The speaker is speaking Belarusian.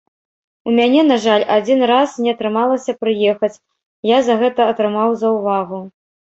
У мяне, на жаль, адзін раз не атрымалася прыехаць, я за гэта атрымаў заўвагу.